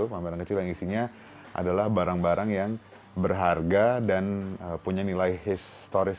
pameran kecil yang isinya adalah barang barang yang berharga dan punya nilai historis